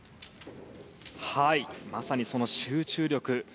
はい、まさにその集中力。